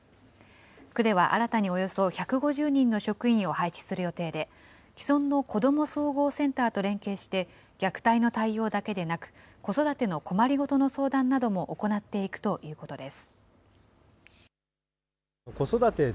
区では新たにおよそ１５０人の職員を配置する予定で、既存の子ども総合センターと連携して、虐待の対応だけでなく、子育ての困り事の相談なども行っていくということです。